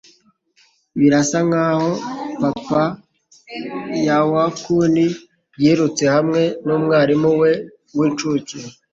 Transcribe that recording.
Birasa nkaho papa wa Yokkun yirutse hamwe numwarimu we w'incuke.